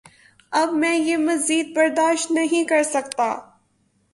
اب میں یہ مزید برداشت نہیں کرسکتا